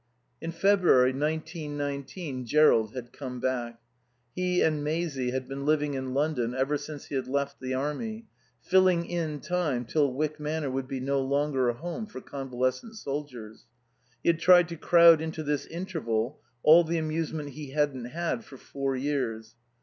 In February, nineteen nineteen, Jerrold had come back. He and Maisie had been living in London ever since he had left the Army, filling in time till Wyck Manor would be no longer a Home for Convalescent Soldiers. He had tried to crowd into this interval all the amusement he hadn't had for four years.